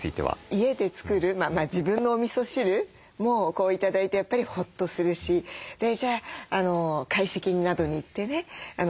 家で作る自分のおみそ汁も頂いてやっぱりホッとするしじゃあ懐石などに行ってね出てくる